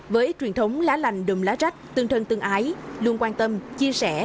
với truyền thống lá lành đùm lá rách tương thân tương ái luôn quan tâm chia sẻ